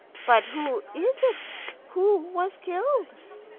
But who is it who was killed?"